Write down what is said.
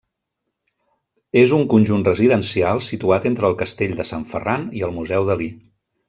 És un conjunt residencial situat entre el castell de Sant Ferran i el Museu Dalí.